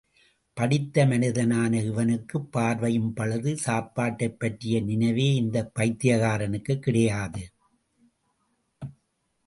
படித்த மனிதனான இவனுக்குப் பார்வையும் பழுது, சாப்பாடைப் பற்றிய நினைவே இந்தப் பைத்தியக்காரனுக்குக் கிடையாது.